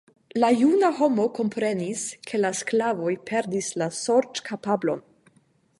La juna homo komprenis, ke la sklavoj perdis la sorĉkapablon.